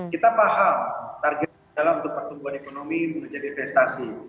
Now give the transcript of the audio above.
kita paham targetnya adalah untuk pertumbuhan ekonomi menjadi investasi